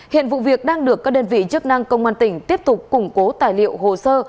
hiện vụ việc đang được các đơn vị chức năng công an tỉnh tiếp tục củng cố tài liệu hồ sơ